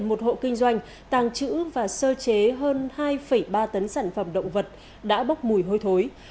một hộ kinh doanh tàng trữ và sơ chế hơn hai ba tấn sản phẩm động vật đã bốc mùi hôi thối